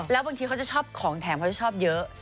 แล้วบางทีเขาจะชอบของแถมเขาจะชอบเยอะ